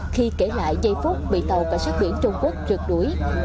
khi kể lại giây phút bị tàu cảnh sát biển trung quốc trượt đuổi